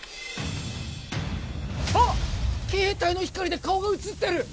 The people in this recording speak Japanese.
あっ携帯の光で顔がうつってる！